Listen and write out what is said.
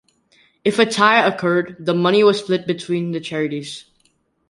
If a tie occurred, the money was split between the charities.